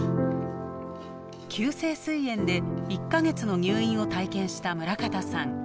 急性すい炎で１か月の入院を体験した村方さん。